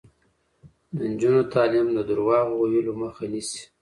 د نجونو تعلیم د درواغو ویلو مخه نیسي.